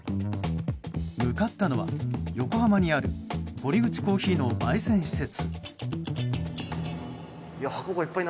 向かったのは、横浜にある堀口珈琲の焙煎施設。